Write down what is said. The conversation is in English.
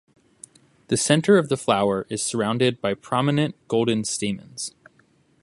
The center of the flower is surrounded by prominent golden stamens.